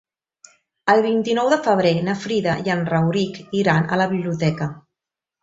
El vint-i-nou de febrer na Frida i en Rauric iran a la biblioteca.